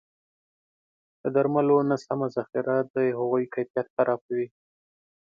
د درملو نه سمه ذخیره د هغوی کیفیت خرابوي.